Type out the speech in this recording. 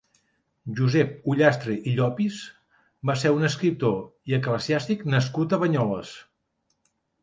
Josep Ullastre i Llopis va ser un escriptor i eclesiàstic nascut a Banyoles.